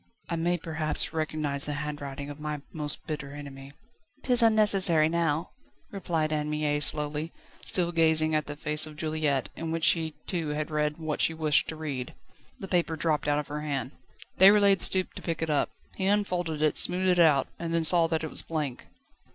"I may perhaps recognise the handwriting of my most bitter enemy." "'Tis unnecessary now," replied Anne Mie slowly, still gazing at the face of Juliette, in which she too had read what she wished to read. The paper dropped out of her hand. Déroulède stooped to pick it up. He unfolded it, smoothed it out, and then saw that it was blank.